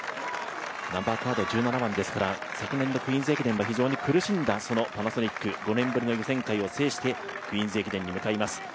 ナンバーカード１７番ですから昨年のクイーンズ駅伝は非常に苦しんだパナソニック、５年ぶりの予選会を制してクイーンズ駅伝に向かいます。